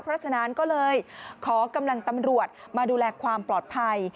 เพราะฉะนั้นก็เลยขอกำลังตำรวจมาดูแลความปลอดภัย